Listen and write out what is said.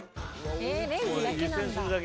レンジだけなんだ。